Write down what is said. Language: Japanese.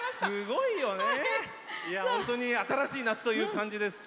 本当に新しい夏という感じです。